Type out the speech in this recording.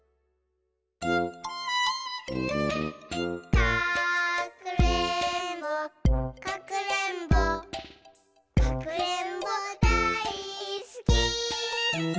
「かくれんぼかくれんぼかくれんぼだいすき」